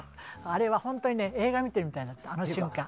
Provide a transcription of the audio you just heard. あれは本当に映画見てるみたいな瞬間。